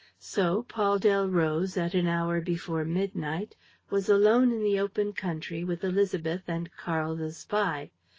So Paul Delroze, at an hour before midnight, was alone in the open country, with Élisabeth and Karl the spy.